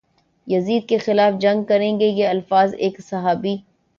یزید کے خلاف جنگ کریں گے یہ الفاظ ایک صحابی